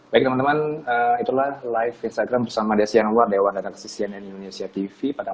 baik teman teman itulah live instagram bersama desi anwar dewan redaksi cnn indonesia tv pada